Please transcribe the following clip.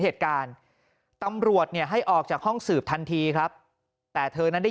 เหตุการณ์ตำรวจเนี่ยให้ออกจากห้องสืบทันทีครับแต่เธอนั้นได้